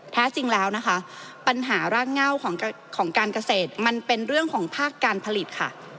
แท้จริงแล้วนะคะปัญหารากเง่าของการเกษตรมันเป็นเรื่องของภาคการผลิตค่ะ